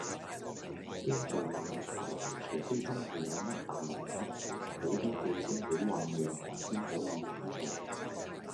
驚做壞個頭，除非真係有乜大人物，好多記者好混亂先可以咁做